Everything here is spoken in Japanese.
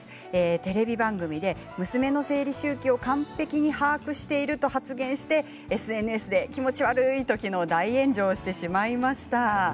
テレビ番組で娘の生理周期を完璧に把握していると発言してＳＮＳで気持ち悪いと昨日、大炎上してしまいました。